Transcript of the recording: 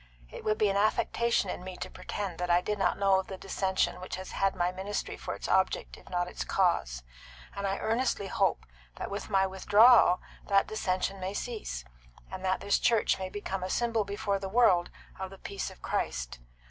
It would be affectation in me to pretend that I did not know of the dissension which has had my ministry for its object if not its cause; and I earnestly hope that with my withdrawal that dissension may cease, and that this church may become a symbol before the world of the peace of Christ.